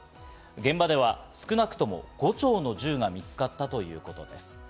現場では少なくとも５丁の銃が見つかったということです。